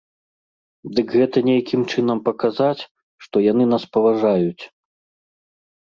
Дык гэта нейкім чынам паказаць, што яны нас паважаюць.